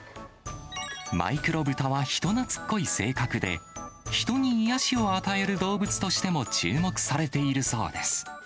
マイクロブタは人なつっこい性格で、人に癒やしを与える動物としても注目されているそうです。